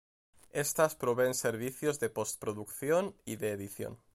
Estas proveen servicios de postproducción y de edición.